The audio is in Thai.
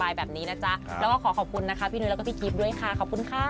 แล้วก็ขอขอบคุณนะครับพี่นุ้ยแล้วก็พี่กีฟด้วยค่ะขอบคุณค่ะ